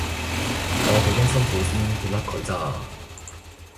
我幾經辛苦先撇甩佢咋